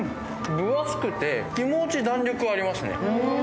分厚くて気持ち、弾力ありますね。